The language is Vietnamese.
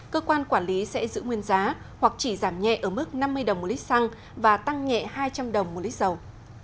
cơ quan quản lý sẽ giữ nguyên giá hoặc chỉ giảm nhẹ ở mức năm mươi đồng một lít xăng và tăng nhẹ hai trăm linh đồng một lít dầu